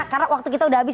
karena waktu kita udah habis